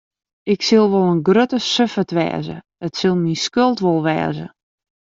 Ik sil wol in grutte suffert wêze, it sil myn skuld wol wêze.